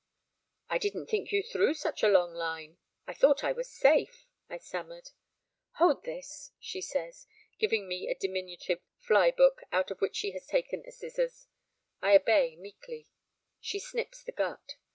'I didn't think you threw such a long line; I thought I was safe,' I stammered. 'Hold this!' she says, giving me a diminutive fly book, out of which she has taken a scissors. I obey meekly. She snips the gut.